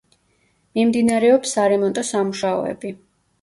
მიმდინარეობს სარემონტო სამუშაოები.